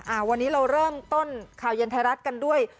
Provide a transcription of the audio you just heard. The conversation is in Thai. วันนี้เราเริ่มต้นข่าวเย็นไทยรัฐกันด้วย